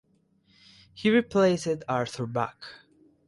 He replaced Artur Bach.